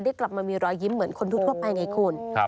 กลับมามีรอยยิ้มเหมือนคนทั่วไปไงคุณ